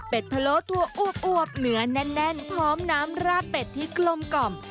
เป็นพะโลถั่วอวบเนื้อแน่นพร้อมน้ำราดเป็ดที่กลมกล่อม